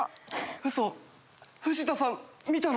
ウソフジタさん見たの？